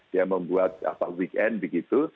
dia membuat weekend begitu